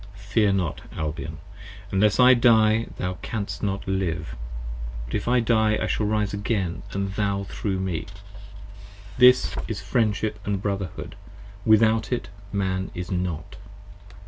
Fear not Albion: unless I die thou canst not live: 15 But if I die I shall arise again & thou with me. This is Friendship & Brotherhood: without it Man Is Not.